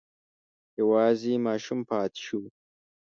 یوازې ماشوم پاتې شو.